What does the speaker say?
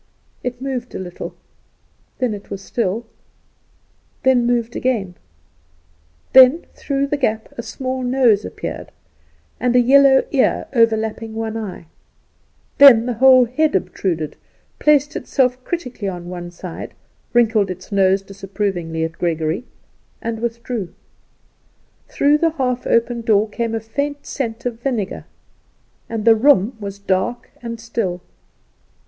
It moved a little, then it was still, then moved again; then through the gap a small nose appeared, and a yellow ear overlapping one eye; then the whole head obtruded, placed itself critically on one side, wrinkled its nose disapprovingly at Gregory, and withdrew. Through the half open door came a faint scent of vinegar, and the room was dark and still.